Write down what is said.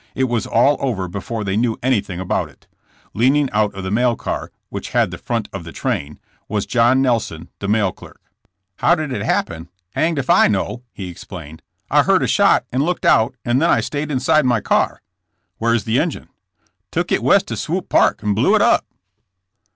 It was all over before they knew anything about it. Leaning out of the mail car, which had the front of the train, was John Nelson, the mail clerk. *'How did it happen?" *' Hanged if I know,'' he explained. "I heard a shot and looked out, and then I stayed inside my car." *' Where's the engine?" Took it west of Swope Park and blew it up.